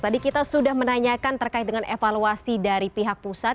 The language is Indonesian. tadi kita sudah menanyakan terkait dengan evaluasi dari pihak pusat